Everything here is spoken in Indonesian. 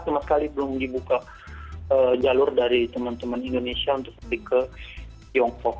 sama sekali belum dibuka jalur dari teman teman indonesia untuk pergi ke tiongkok